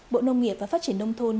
bộ nông nghiệp và phát triển nông thôn